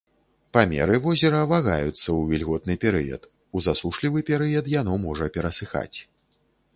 Памеры возера вагаюцца ў вільготны перыяд, у засушлівы перыяд яно можа перасыхаць.